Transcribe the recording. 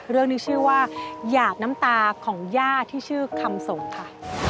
เรื่องนี้ชื่อว่าหยาดน้ำตาของย่าที่ชื่อคำสงค่ะ